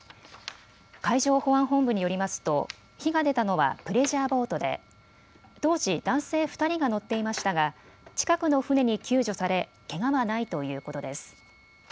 海上保安本部によりますと火が出たのはプレジャーボートで当時、男性２人が乗っていましたが近くの船に救助されけがはないということです。